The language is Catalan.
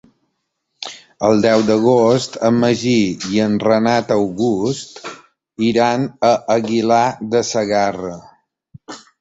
El deu d'agost en Magí i en Renat August iran a Aguilar de Segarra.